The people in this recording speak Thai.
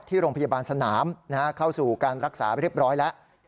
ที่โรงพยาบาลสนามเข้าสู่การรักษาเรียบร้อยแล้ว